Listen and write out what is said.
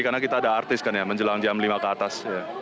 karena kita ada artis kan ya menjelang jam lima ke atas